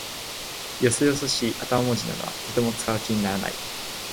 よそよそしい頭文字などはとても使う気にならない。